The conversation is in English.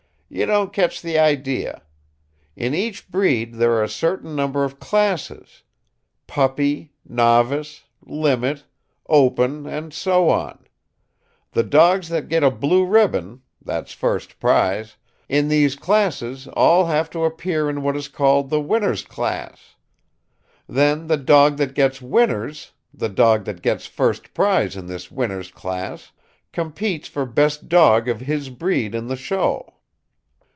"You don't catch the idea. In each breed there are a certain number of classes: 'Puppy,' 'Novice,' 'Limit,' 'Open,' and so on. The dogs that get a blue ribbon that's first prize in these classes all have to appear in what is called the 'Winners Class.' Then the dog that gets 'Winner's' the dog that gets first prize in this 'Winners' Class' competes for best dog of his breed in the show.